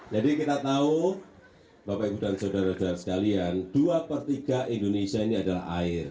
jadi kita tahu bapak ibu dan saudara saudara sekalian dua per tiga indonesia ini adalah air